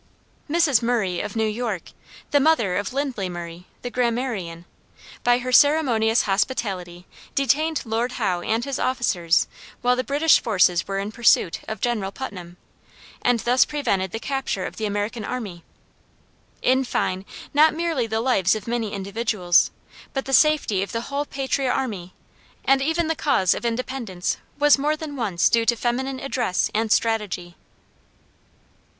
Mrs. Murray of New York, the mother of Lindley Murray, the grammarian, by her ceremonious hospitality detained Lord Howe and his officers, while the British forces were in pursuit of General Putnam, and thus prevented the capture of the American army. In fine, not merely the lives of many individuals, but the safety of the whole patriot army, and even the cause of independence was more than once due to feminine address and strategy.